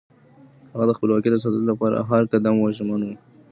هغه د خپلواکۍ د ساتلو لپاره د هر قدم ژمن و.